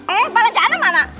eh balanjaan mana